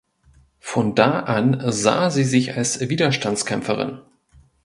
Von da an sah sie sich als Widerstandskämpferin.